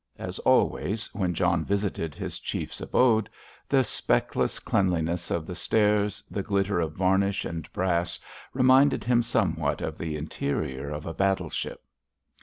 As always, when John visited his Chief's abode, the speckless cleanliness of the stairs, the glitter of varnish and brass reminded him somewhat of the interior of a battleship.